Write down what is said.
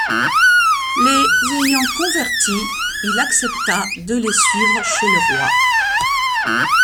Les ayant convertis, il accepta de les suivre chez le roi.